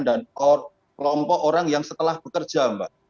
dan kelompok orang yang setelah bekerja mbak